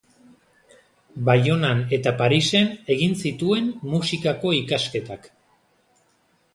Baionan eta Parisen egin zituen musikako ikasketak.